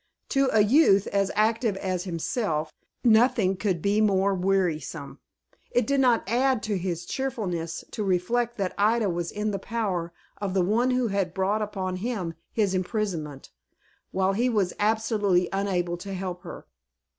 To a youth as active as himself, nothing could be more wearisome. It did not add to his cheerfulness to reflect that Ida was in the power of the one who had brought upon him his imprisonment, while he was absolutely unable to help her.